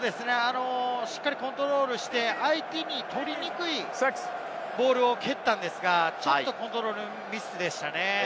しっかりコントロールして、相手に取りにくいボールを蹴ったのですが、ちょっとコントロールミスでしたね。